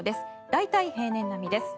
大体、平年並みです。